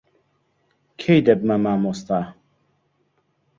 کەی دەبمە مامۆستا؟